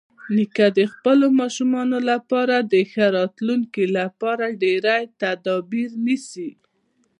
نیکه د خپلو ماشومانو لپاره د ښه راتلونکي لپاره ډېری تدابیر نیسي.